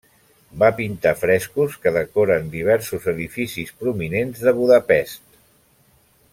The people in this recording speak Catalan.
Va pintar frescos que decoren diversos edificis prominents de Budapest.